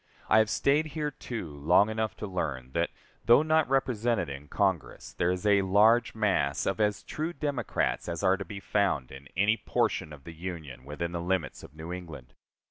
I have staid here, too, long enough to learn that, though not represented in Congress, there is a large mass of as true Democrats as are to be found in any portion of the Union within the limits of New England.